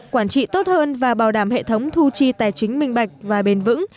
quản trị tốt hơn và bảo đảm hệ thống thu chi tài chính minh bạch và bền vững